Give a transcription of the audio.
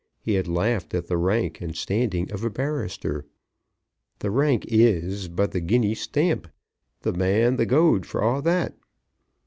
He had laughed at the rank and standing of a barrister. "The rank is but the guinea stamp the man's the gowd for a' that."